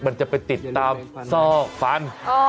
มันจะไปติดตามซอกฟัน